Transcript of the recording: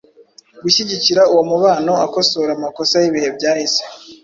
gushyigikira uwo mubano akosora amakosa y’ibihe byahise,